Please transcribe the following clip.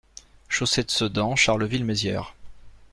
Chaussée de Sedan, Charleville-Mézières